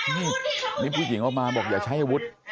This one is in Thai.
นี่นี่ผู้หญิงออกมาบอกอย่าใช้อาวุธ